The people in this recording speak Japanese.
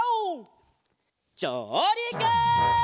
じょうりく！